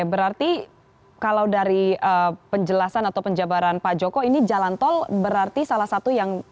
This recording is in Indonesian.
berarti kalau dari penjelasan atau penjabaran pak joko ini jalan tol berarti salah satu yang